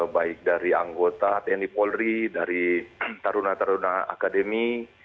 baik dari anggota tni polri dari taruna taruna akademi